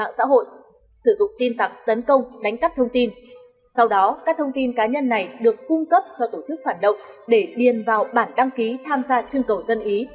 các đối tượng đã đưa thông tin cá nhân vào bản đăng ký tham gia chương cầu dân ý